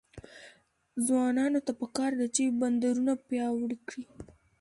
ځوانانو ته پکار ده چې، بندرونه پیاوړي کړي.